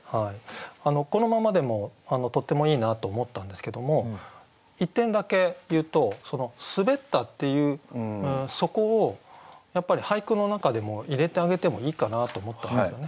このままでもとってもいいなと思ったんですけども１点だけ言うと滑ったっていうそこを俳句の中でも入れてあげてもいいかなと思ったんですよね。